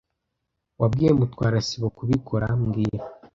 Wabwiye Mutwara sibo kubikora mbwira